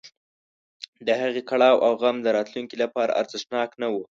د هغې کړاو او غم د راتلونکي لپاره ارزښتناک نه و.